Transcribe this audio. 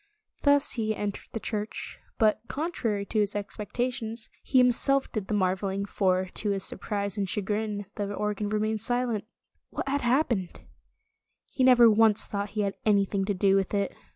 Thus he entered the church, but contrary to his expectations, he himself did the mar veling, for, to his surprise and chagrin, the organ remained silent. What had hap pened He never once thought he had anything to do with it.